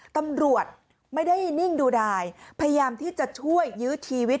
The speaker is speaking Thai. ตำรวจไม่ได้นิ่งดูดายพยายามที่จะช่วยยื้อชีวิต